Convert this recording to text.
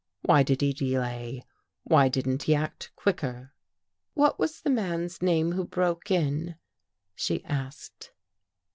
Why did he delay? Why didn't he act quicker? "" What was the man's name who broke in? " she asked.